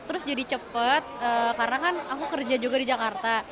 terus jadi cepet karena kan aku kerja juga di jakarta